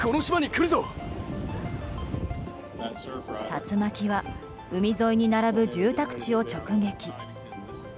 竜巻は海沿いに並ぶ住宅地を直撃。